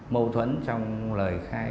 mâu thuẫn trong lời khai